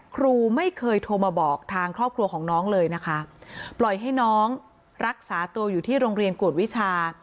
ครูไม่เคยโทรมาบอกทางครอบครัวของน้องเลยนะคะปล่อยให้น้องรักษาตัวอยู่ที่โรงเรียนกวดวิชา